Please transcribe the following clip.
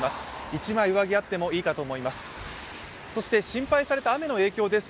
一枚、上着があってもいいかと思います。